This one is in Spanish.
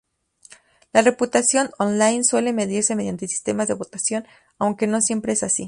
La reputación online suele medirse mediante sistemas de votación, Aunque no siempre es así.